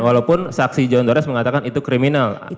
walaupun saksi john torres mengatakan itu kriminal